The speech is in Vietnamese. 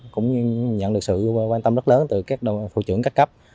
cũng nhận được sự quan tâm rất lớn từ các thủ trưởng các cấp